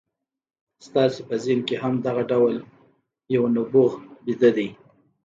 ستاسې په ذهن کې هم دغه ډول يو نبوغ ويده دی.